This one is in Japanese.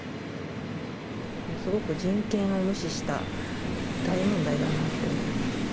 すごく人権を無視した大問題だなって思います。